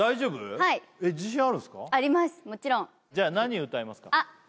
はいじゃあ何歌いますか？